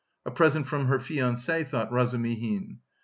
"A present from her fiancé," thought Razumihin.